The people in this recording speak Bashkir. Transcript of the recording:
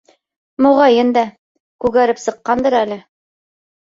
Моғайын да, күгәреп сыҡҡандыр әле?